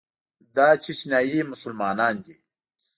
دا چیچنیایي مسلمانان دي.